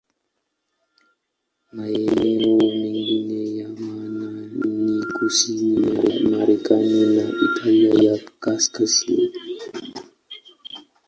Maeneo mengine ya maana ni kusini ya Marekani na Italia ya Kaskazini.